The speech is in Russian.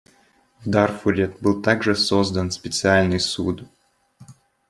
В Дарфуре был также создан специальный суд.